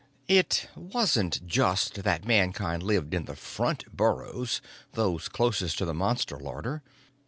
It wasn't just that Mankind lived in the front burrows, those closest to the Monster larder.